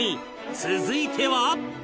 続いては